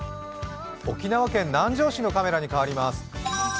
沖縄県南城市のカメラに変わります。